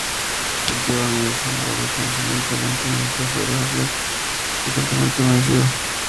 Cultivada a media sombra, de crecimiento lento, necesita suelo rico, frecuentemente humedecido.